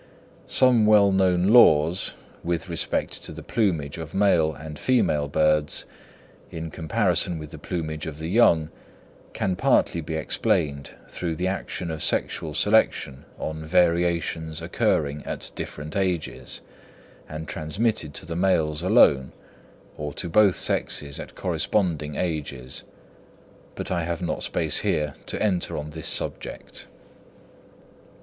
Some well known laws, with respect to the plumage of male and female birds, in comparison with the plumage of the young, can partly be explained through the action of sexual selection on variations occurring at different ages, and transmitted to the males alone or to both sexes at corresponding ages; but I have not space here to enter on this subject.